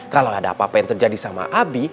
kalau ada apa apa yang terjadi sama abi